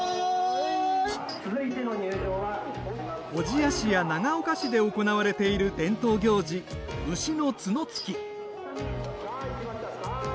小千谷市や長岡市で行われている伝統行事、牛の角突き。